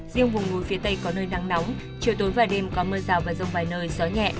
riêng vùng núi phía tây có nơi nắng nóng chiều tối và đêm có mưa rào và rông vài nơi gió nhẹ